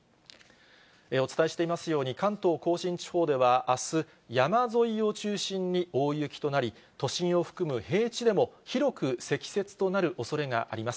お伝えしていますように、関東甲信地方では、あす、山沿いを中心に大雪となり、都心を含む平地でも広く積雪となるおそれがあります。